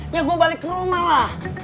ya gue balik ke rumah lah